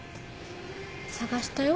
捜したよ。